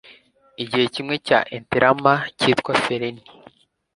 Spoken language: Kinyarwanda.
igihe kimwe cya interamna, cyitwa ferni